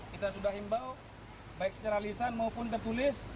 kita sudah himbau baik secara lisan maupun tertulis